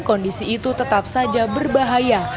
kondisi itu tetap saja berbahaya